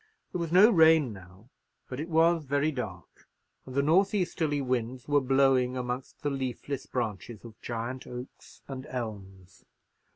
There was no rain now; but it was very dark, and the north easterly winds were blowing amongst the leafless branches of giant oaks and elms.